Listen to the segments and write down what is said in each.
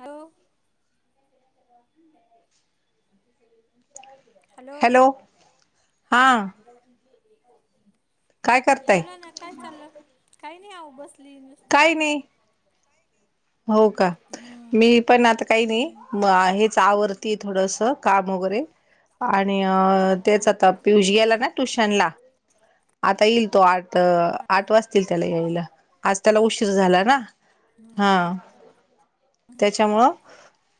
Hello [unintelligible] [unintelligible] hello hello हा हां काय करताय बोलां नां कायं चाललं कांहीं नाहीं ओ बसली आहे नुंसती काही नाही हो कां मी पणं आतां कांहीं हम्म नाहीं मं हेंच आवरती थोडंसं कामं वगैरें आणि तेचं आतां पियुष गेल्यायं हम्म नां ट्युशनं लां आतां येईलं तो आंठ हा आंठ वाजंतील त्यांला यांयला आंज त्यांला उशीर झांला नां हम्म हां त्यांच्यामुळे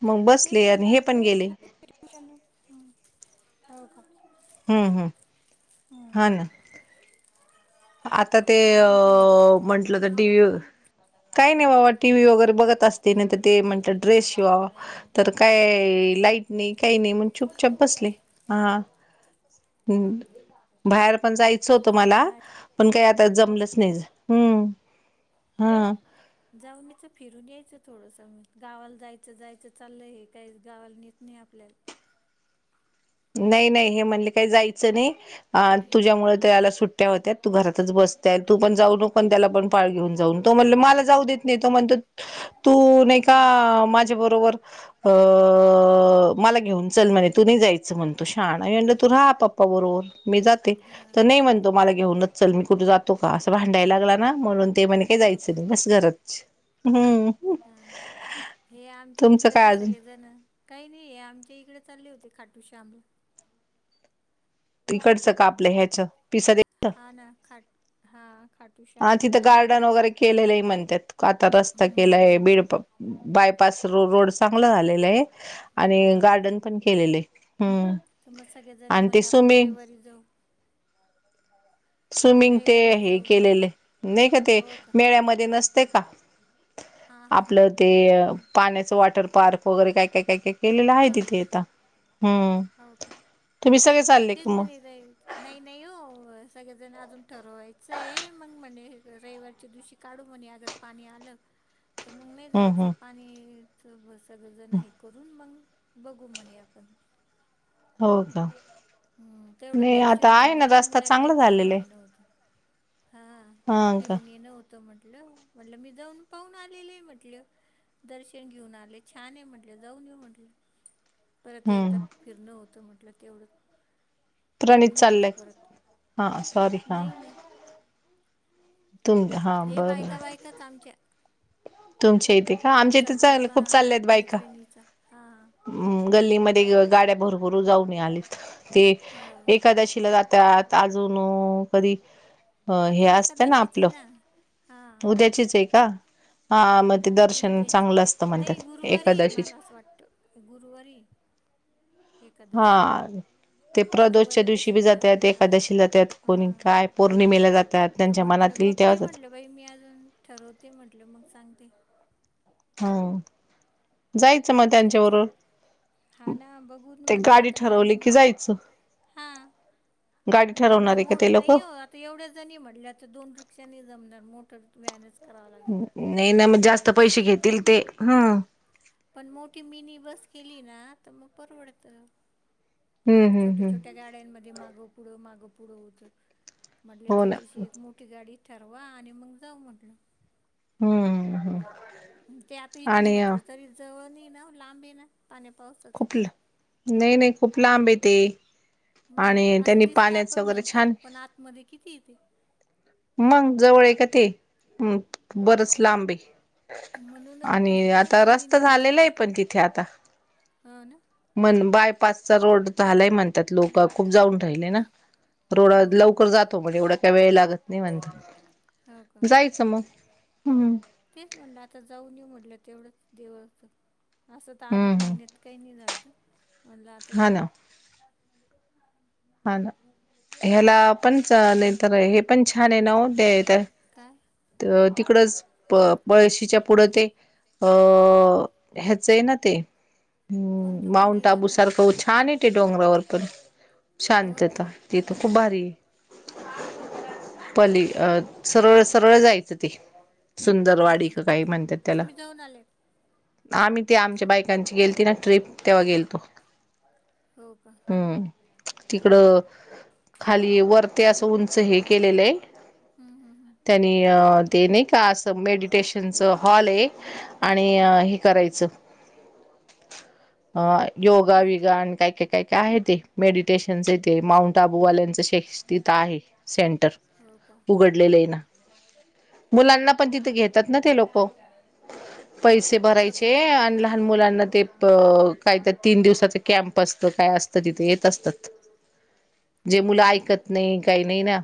मंग तेच बसले आणि म्हणणार हे पणं होते गेले हो कां हम्मं हम्मं हां नां आतां ते अजून काय म्हणता अअअ म्हंटलं तं डीवं कांहीं नाहीं बाबां टीव्ही वगैरें बघतं असते नाहीं तरं ते म्हटलं ड्रेस शिवावां तरं कायं अ लाईट नाहीं कांहीं नाहीं मंग चुपचांप बसले हां हम्मं बाहेर पणं जायं जायचं होतं मलां सगला पणं कांहीं आतां हो का जमलंच नाहीं हमं हां जाऊंन याचं फिरूंन यांयचं थोडंसं गांवाला जायचं जायचं चाललं हे कांहीं गांवाला नेतं नाहीं आपल्यांला नाही- नाही हे म्हणले काही जायचं नाही. आण हम्म तुझ्यामुळे त्याला सुट्ट्या होत्या तू घरातच बसताय, तू पण जाऊ नको अण त्याला पण पाळ घेऊन जाऊन तो म्हण मला जाऊ देत नाही तो म्हणत. तू हम्म नाहीका माझ्या बरोबर अ मला घेऊन चल म्हणे तुनई जायचं. च म्हणतो शाहाणा आय म्हंनलं तू राहा पप्पा बरोबर मी जाते. हा. तर नाही म्हणतो मला घेऊनच चल मी कुठे जातो का असं भांडायला लागला ना म्हणून ते म्हणे काही हो जायचं. का? च नाही बस घरात हम्. हा हे आमच्या इकडे बी सगळेजण, काही नाही हे आमच्या इकडे चालले होते खाटू श्यामला इकडचं का आपलं ह्याच पिसा दे. हा ना खाट हा खाटू श्यामला जाणार होतो. केलेलं आहे म्हणतात आता रस्ता केलाय हम्म. बीडप बायपास र रोड चांगला झालेलं आहे. आणि हा गार्डन पण केलेले हम्म. तर मग सगळेजने आणि ते म्हणे, आपण स्विमिंग रविवारी जाऊ. स्विमिंग ते रविवारी हे जाऊ म्हणे. केलेले नाही का ते हो का? मेळ्यामध्ये नसते. ते का हा हा हा आपलं हा ते पाण्याच वॉटर पार्क वगैरे काय- काय- काय- काय केलेलं आहे हा तिथे आता हम्म हा हो का? तुम्ही सगळे. चालले का तेच मग म्हणे जाईल. नाही- नाही हो सगळेजण अजून ठरवायचंय मग म्हणे रविवारच्या दिवशी काढू म्हणे अगर पाणी आलं. [unintelligible] तर मग नाही हम्म जायचं हम् पाणीच ब सगळं जण हे करून मग बघू म्हणे आपण हो का? हम् तेवढं नाही आता दर्शन होईल आहे ना म्हने रस्ता मुलांनाही चांगला फिरून झालेला आहे आणण होते. हा! हा का फिरून येणं होतं म्हटलं- म्हटलं मी जाऊन पाहून आलेली म्हंटलं. दर्शन घेऊन आले, छान आहे म्हटले, जाऊन येऊ म्हटले. परत एकदा हम्म फिरणं होतं म्हटलं तेवढं. प्रणित बघणं होतं चाललंय परत हा सॉरी हा नाही नाही. तुम हा हे बरं बायका- बायकाच आमच्या तुमच्या इथे का आमच्या आमचा इथे चा ग्रुप खूप चालल्या हा आहेत बायका मैत्रिणीचा हां हम् गल्लीमध्ये ग गाड्या भरभर जाऊनी आलीत. ते हो एकादशीला जातात आजून कधी अ हे आता असतं ना एकादशीच आहे आपलं हां उद्याचीच आहे का? हा मग ते दर्शन उद्याची, चांगलं असतं नाही म्हणतात गुरुवारी आहे एकादशीच मला असं वाटत गुरुवारी आहे. हा, ते प्रदोषच्या गुरुवारी का दिवशी बी शनिवारी जात्यात, हां एकादशीला जात्यात कोणी हां काय? पौर्णिमेला जातात तर त्यांच्या म्हटलं मनातली तेव्हा बघते जात म्हटलं बाई मी आजून ठरवते म्हटल मग सांगते. हा जायचं मग तेच त्यांच्याबरोबर हा ना बघून ते म्हटलं गाडी आता ठरवली टाइम बी की जायचं हा. गाडी द ठरवणार आहे का मठ ते लोक नाहीई हो. एवढ्या जणी म्हटल्या तर दोन रिक्षानी जमणार मोटर व्हॅनच नाही ना मग जास्त पैसे घेतील ते हम्. पण मोठी मिनी बस केली ना तर मग परवडत हम्म असं हम्म छोट्या हम्म छोट्या गाड्यांमध्ये माग पुढ माग पुढं होत म्हट हो ना छोटीशी एक मोठी ी गाडी ठरवा आणि मग जाऊ म्हटलं. हम्म हम्म हम्. ते आता इथून म्हटलं तरी जवण ना लांबी ना पाण्या पावस खूप नाही नाही खूप लांब येत. म असं दिसत आपण वगैरे म्हणतो छान पण आतमध्ये किती येते. मंग जवळ आहे का ते बरच लांबे. म्हणूनच आणि म्हटलं आता मग रस्ता मिनी झालेला आहे पण तिथे आता हो ना. मण बायपासचा रोड झालाही म्हणतात लोक खूप जाऊन राहि ना रोड हो का? लवकर जातो म्हणजे एवढा काय वेळ लागत नाही म्हणत. हो का? जायचं मग हम्म. तेच म्हणलं आता जाऊन येऊ म्हटलं तेवढंच देव असतं. असं तर हम्म अधिक हम्म महिन्यात काही नाही झाल तर म्हणलं आता हा ना जाऊन हा ना हेला. पण नाही तर हे पण छान आहे न ते तर काय? तर तिकडच. बळशीच्या पुढं ते अ ह्याचं आहे ना ते कोणतं हम्म माऊंट मंदिर आहे आबू आता? सारखं छान येते डोंगरावर पण हो का? शांतता तीथ खूप भारी आहे. पली अ सरळ सरळ जायचं ती हो का? सुंदरवाडीिक काही म्हणतात त्याला तुम्ही जाऊन आलेत? आम्ही ते आमच्या बायकांची गेलती ना ट्र्रीप तेव्हा गेलतो. हो का? ह. तिकड खाली वरते असं उंच हे केलेलं आहे. हम्म हम्म हम्म. त्यांनी देणे का असं मेडिटेशनच हॉल आहे. आणि हां. हे करायचं. अ योगा काय? विगा आणि काय काय काय काय आहे ते मेड स्टेशने माउंट आबूवाल्याच श तिथ आहे सेंटर हो का उघड. मुलांना पण तिथे घेतात ना ते लोक. पैसे छोटे भरायचे छोटे आणि हां. लहान मुलांना ते अ काही त्या तीन दिवसाच कॅम्प असतं काय असतं तिथे येत असतं. जे हो मुलं का? ऐकत नाही काही नाही ना.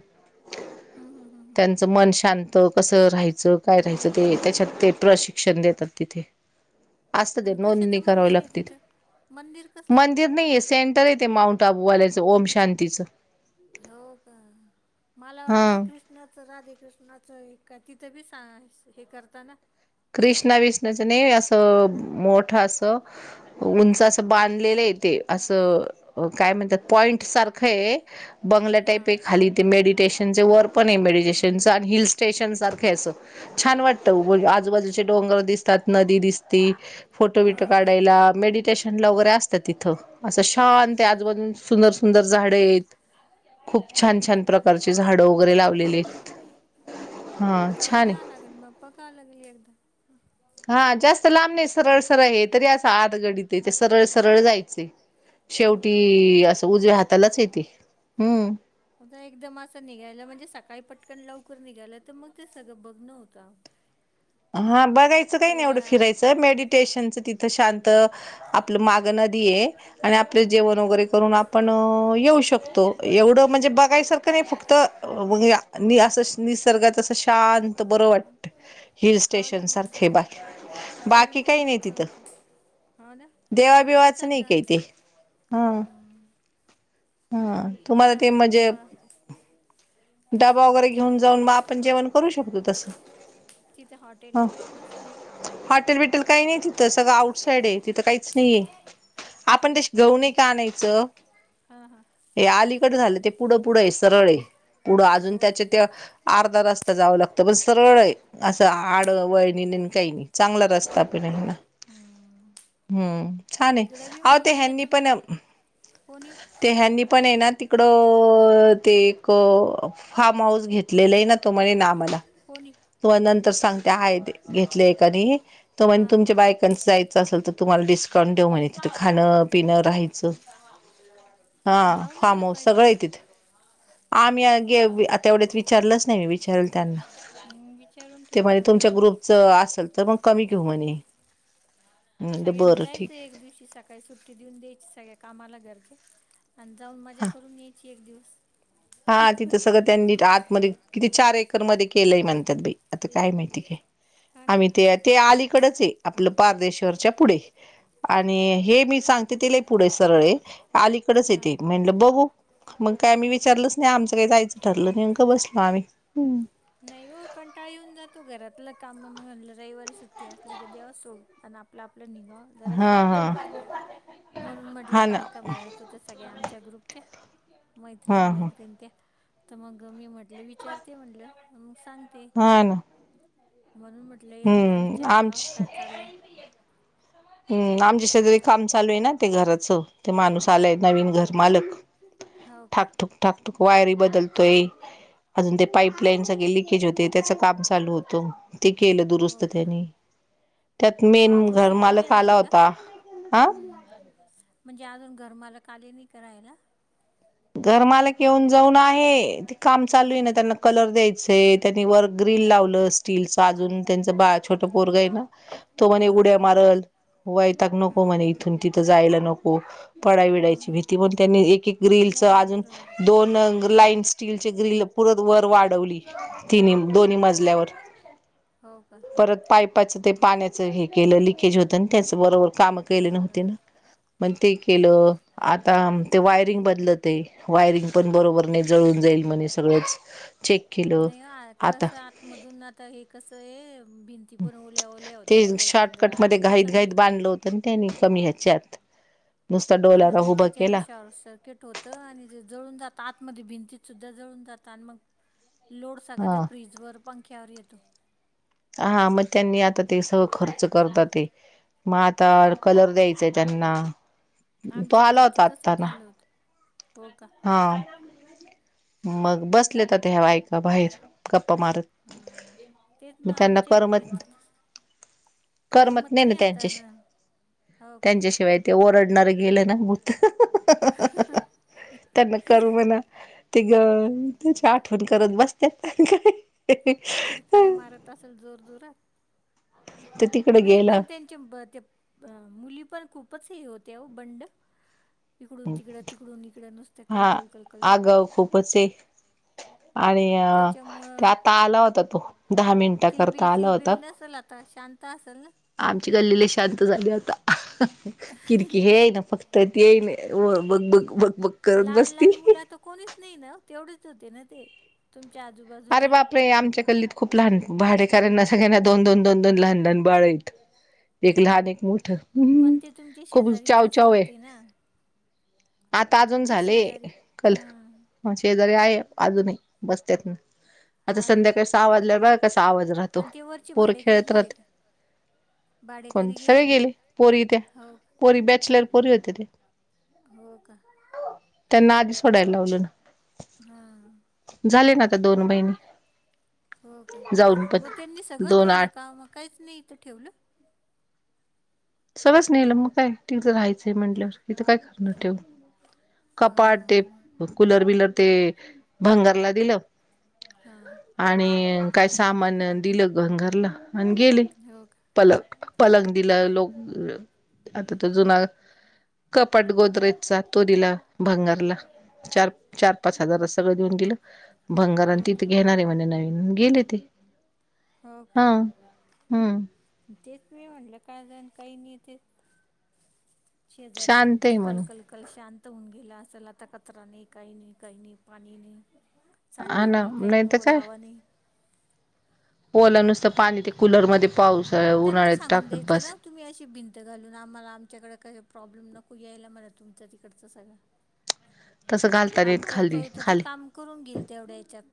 हम्म हम्म हम्म हम्म त्यांचं मन शांत कसं राहायचं काय राहायचं ते त्याच्यात ते प्रशिक्ष शिक्षण देतात तिथे असत ते आणि कशाचं नोंदणी करावी मंदिर आहे लागते तिथं? मंदिर कसलंय? मंदिर नाहीय सेंटर ते माऊंट आबूवाल्याचं ओम शांतीचं. हो का मला वाटलं हा कृष्ण न तर राधेकृष्णाच काय तिथे बी हे करताना कृष्णा विष्णाच नाही असं मोठं असं. उंच असं बांधलेलं येते असं. काय म्हणतात पॉईंट सारखं आहे बंगल्या टाईप हां. एक खाली ते मेडिटेशनचे वर पण आहे मेडिटेशनचं आणि हिल स्टेशन सारखं हाय असं. छान वाटतं. बाजूचे डोंगर दिसतात, नदी दिसती, फोटोबिटो हो का? काढायला, मेडिटेशन. डला वगैरे असतात तिथं, असं शांत हाय आजूबाजून सुंदर सुंदर झाड आहेत. खूप आहेत. हो छान, का छान प्रकारची झाडं वगैरे लावलेली आहेत. हा जाऊन छान आहे यावं लागेल, मप्पा काव लागली एकदा. हा जास्त लांबने सरळ सरळ है, तरी असं आत गडीत है ते सरळ सरळ जायचय. हो का? शेवटी, असं उजव्या हातालाच येते, हम्म. आता एकदम असं निघायला, म्हणजे सकाळी पटकन लवकर निघालं, तर मग ते सगळं बघनं होतं. हा, बघायचं आता काही नाही, एवढं या फिरायचं. तर मेडिटेशनच तिथं शांत, आपलं माग नदी आहे. आणि आपले हम्म. जेवण वगैरे करून पण येऊ शकतो, एवढं म्हणजे बघायसारखं नाही फक्त या नि असं निसर्गाात असं शांत बरं वाटत. हिल हो ना स्टेशन मग सारखे हाय बाकी, आता बाकी काही नाही ऊनच तिथं होतं हो ना तेच देवाबिवाच नाही आता काय ते, हा हम्म हा, तुम्हाला ते डबा म्हणजे बिबा डबा वगैरे घेऊन जाऊन, म आपण जेवण करू शकतो तसं तिथं हॉटेल ह वगैरे नसेल ना? हॉटेल बिटल काही नाही, तिथं सगळं आउटसाईड हाय, तिथं काहीच नाहीये आपण तशी गऊणे का आणायचं? हा, हा हे अलीकडे झालं, ते पुढं, पुढं आहे सरळ आहे, पुढं अजून हो का? त्याच्या त्या अर्धा रस्ता जावं लागतं, पण सरळ आहे असं आडवळणी नई, काही नाही, चांगला रस्ता पिना हम्म. हम्म छान आहे आ ते ह्यांनी पण होणी ते ह्यांनी पण आहे ना तिकडं ते एक फार्म हाऊस घेतलेला आहे ना तो म्हणे ना मला होणी तुम्हा नंतर सांगते आहे घेतले एका त म्ह हा तुमच्या का बायकां जायचं असेल तर तुम्हाला डिस्काउंट देऊ म्हहि तिथं खाणं पिंहायचं हा जाऊन फार्म यायला हाऊस पाहिजे सगळं आहे मग तिथ आम्ही गे आता एवढ्याच विचारलंच नाही मी विचारल त्यांना हम्म, विचारून ते ठेवा म्हज मग तुमच्या जाऊन या ग्रुपच असेल तर मग कमी घेऊ म्हणे. म्हणलं सगळ्यांनी बरं ठीक जायचं एक दिवशी सकाळी. काही सुट्टी देऊन द्यायची सगळ्या कामाला गरजे आणि जाऊन मजा हा करून यायची एक दिवस. हा तिथं सगळं त्यांनी आतमध्ये किती चार एकर मध्ये केलंय म्हणतात बाई आता काय माहिती काय हा ना आम्ही ते ते अलीकडच आहे आपलं पारदेश्वरच्या पुढे आणि हे मी सांगते तेला पुढे सरळे अलीकडेच हा येते म्हणलं बघू मग काय आम्ही विचारलच नाही आमचं काही जायचं ठरलं नाही बसलो आम्ही नाही हो कंटाळ येऊन जातो घरातलं काम म्ह रविवारी सुट्टी असली की देवस सोडत आणि आपलं, आपलं निगाव, जरा हा शांत राहतं हा म्हणून हा म्हटलं ना बायकामध्ये त्या सगळ्या, आमच्या ग्रुपच्या, हा मैत्रीण, हा मैत्रीण त्या तर मग मी म्हटलं, विचारते म्हटलं, मग सांगते, हा ना म्हणून म्हट लय यांना हम्म विचारावं आमची काय चाललं?. हम् आमच्या शेजरी काम चालू आहे ना ते घराच ते माणूस आलाय नवीन घर मालक हो का? थक ठक ठाकटूक वायरी बदलतोय अजून ते पाईपलाईन सगळे लिकेज होते त्याच काम चालू होत ते केलं हो दुरुस्त का? त्यांनी त्यात मग मेन अजून घर शिफ्ट मालक नाही झाला झाली का? होता हा हम्म म्हणजे अजून घर मला कालीनी करायला घरमालक येऊन जाऊन आहे ते काम हा. चालू आहे ना त्यांना कलर द्यायचा त्यांनी वर ग्रिल लावलं स्टीलच अजून त्यांचं बा छोट पोरग आहे ना तो म्हणे उड्या मारल वयताक तिथं नको म्हणे इथून तिथं जायला नको पडाय नको. हम्म विडायची हम्म भीती पण त्यांनी एक एक रील नाही ना अजून बरोबर आहे दोन लाईन स्टीलचे ग्रिल पुरत वर वाढवली तिन् दोन्ही मजल्यावर हो का परत पापाच ते पाण्याच हे केलं लकेज होत त्याच बरोबर काम हा केले का? नव्हते ना मग ते केलं आता ते वायरिंग बदल ते वायरिंग पण बरोबर नाही जळून जाईल म्हणे सगळंच चेक केलं नाही आता कसं आतमधून आता हे कसं आहे भि ती पण ओल्या ओल्या ते होत्या घर बांधत नाही लोक चांगली. त त्यानी कमी ह्याच्यात नुसता हा ना डोलारा मग उभा त्याच्याने केला शॉर्स केट होतं आणि जळून जात आतमध्ये भिंतीत सुद्धा जळून जाता आणि मग ते लोड सगळा हा त्या फ्रीजवर पंख्यावर येतो. हा मग त्यांनी आता ते सगळ खर्च करतात ते. मग आता कलर द्यायचंय त्यांना. म तो आमच्या आला फ्रीजचं होता आत्ता तसंच ना झालं होतं हो का. हा मग बसले का ऐका बाहेर गप्पा मारत. हा तेच मग त्यांना आमच्या ही फ्रीज करमत करमत नाही आता हो का. त्यांच्याशिवाय ते ओरडणारं गेलं ना भूत. [unintelligible] [unintelligible] त्यांना करू म्हणा ते ग त्याची आठवण करत बसत्यात. [unintelligible] किरकाळ मारत असेल जोर जोरात तर तिकडे नाही गेला पण त्यां ते प ते मुली पण खूपच हे होत्या हो बंड. इकडून तिकड तिकडून इकड नसत्या हा कलकल कलकल. [unintelligible] खूपच आहे. आणि अ ते त्याच्यामुळं आता आला होता तो दहा मिनिटा करता आला होता. त शांता असेल ना. आमचे गल्ली लई शांत झाली आता किर किर हे ते ना फक्त ते नाही बघ बघ बघ बघ. करत लहान बसती लहान मुल आता कोणीच नाही ना तेवढेच होते ना ते तुमच्या आजूबाजूला. आप आमच्या गल्लीत खूप लहान भाडेकरांना सगळ्यांना दोन दोन दोन दोन लहान लहान बाळ येत. एक लहान एक मोठ. पण ते तुमची शेजारी जास्त होती ना. आता अजून तुमचे झाले शेजारी कल हां मग शेजारी आहे अजूनही बसत्यात ना. आता हा का संध्याकाळी सहा भाजल्यावर बाघ कसा आवाज राहतो आणि ते वरचे पोर भाडेकरी खेळत गेले राहत का कोण सगळे गेले पोरी त्या हो का पोरी बॅचलर पोरी होत्या त्या. हो का. त्यांना आधी सोडायला लावलं ना हां झाले ना आता दोन महिने हो का जाऊन मग त्यांनी पण सगंच दोन नेलं आठ का म काहीच नाही ईथ ठेवलं. सगळच नेलं मग काय तिकथं राहायचंय म्हटल्यावर किथं काय करणार ठेवून. ह कपाट ते कुलर बिलर ते भंगारला दिलं. हा. आणि काय सामान दिलं घरला आणि गेले. हो का. पलक पलंग दिल लोक आता तो जुना कपाट गोदरेजचा तो दीला भंगारला चार चार पाच हजार असत. सगळं देऊन दीलं भंगार आणि हो का तिथं घेणारे म्हणे नवीन म गेले ते हो का हा हम्म. तेच मी म्हटलं काजण काही नाही ते शेजारी शांत तुमच्या आहे म्हणून कलकल कल शांत होऊन गेला असल आता कचरा नाही काही नाही काही नाही पाणी नाही. हा सांडण ना नाही काही नाही तर ओलावा नाही. पोओल नुसत पाणी ते कूलरमध्ये पाऊसाळया त्यांना उन्हाळ्यात सांगून टाकत द्यायचं बस ना तुम्ही अशी भिंत घालून आम्हाला आमच्याकडे काही प्रॉब्लेम नको यायला म्हणा तुमचा तिकडचा सगळा. तस घालता नाहीे काम येत खालदी करतोय तर ते खाली. काम करून गेल तेवढ्या याच्यात